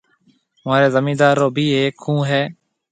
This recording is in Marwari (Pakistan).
مهوريَ زميندار ڀِي هيڪ کُوه هيَ۔